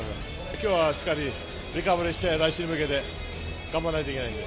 きょうはしっかりリカバリーして、来週に向けて頑張んないといけないんで。